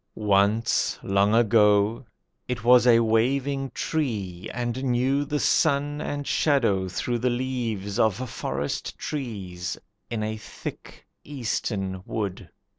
Once, long ago, it was a waving tree And knew the sun and shadow through the leaves Of forest trees, in a thick eastern wood.